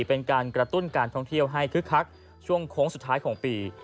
เป็นการกระตุ้นการท่องเที่ยวให้คึกคักช่วงโค้งสุดท้ายของปี